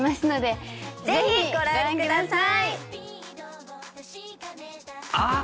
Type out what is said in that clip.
ぜひご覧ください！あっ！